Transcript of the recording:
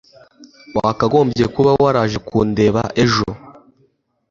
wakagombye kuba waraje kundeba ejo